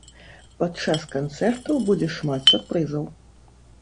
Падчас канцэртаў будзе шмат сюрпрызаў.